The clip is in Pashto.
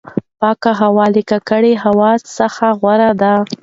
پاکه هوا له ککړې هوا څخه غوره ده.